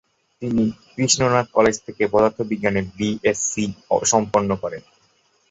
তিনি কৃষ্ণনাথ কলেজ থেকে পদার্থবিজ্ঞানে বিএসসি সম্পন্ন করেন।